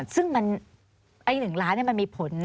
ซึ่งไอ้๑ล้านนี่มันมีผล